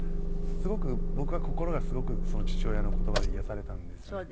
すごく僕は心がすごく父親の言葉で癒やされたんですね。